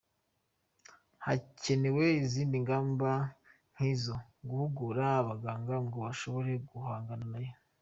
Hakenewe izindi ngamba nk’izo guhugura abaganga ngo bashobore guhangana nayo.